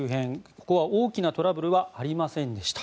ここは大きなトラブルはありませんでした。